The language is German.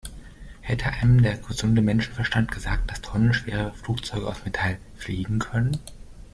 Hätte einem der gesunde Menschenverstand gesagt, dass tonnenschwere Flugzeuge aus Metall fliegen können?